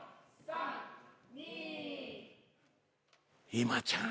今ちゃん。